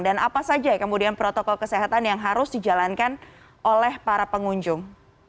apa saja kemudian protokol kesehatan yang harus dijalankan oleh para pengunjung